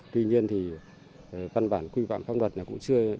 tuy nhiên thì văn bản quy phạm pháp luật này cũng chưa đề cập